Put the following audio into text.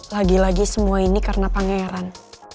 lagi lagi semua ini karena pangeran